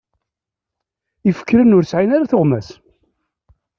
Ifekren ur sɛin ara tuɣmas.